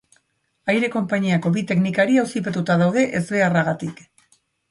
Aire konpainiako bi teknikari auzipetuta daude ezbeharragatik.